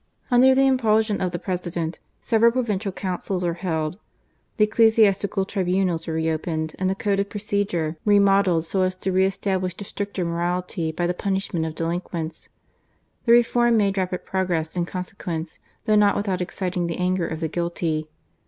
Under the impulsion of the Pre sident, several provincial councils were held ; the ecclesiastical tribunals were re opened and the code of procedure remodelled so as to re establish a stricter morality by the punishment of delinquents. The reform made rapid progress in consequence, though not without exciting the anger of the guilty.